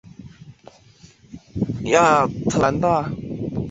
亚特兰大猎鹰是一支职业美式足球球队位于乔治亚州的亚特兰大。